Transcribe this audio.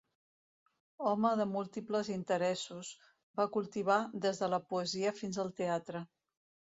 Home de múltiples interessos, va cultivar des de la poesia fins al teatre.